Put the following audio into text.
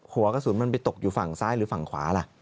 หัวกระสุนมันไปตกอยู่ฝั่งซ้ายหรือฝั่งขวาล่ะ